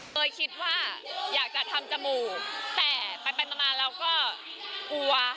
คิดว่าอยากจะทำจมูกแต่ไปมาเราก็กลัว